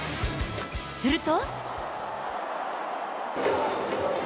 すると。